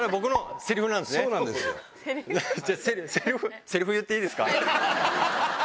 せりふ言っていいですか。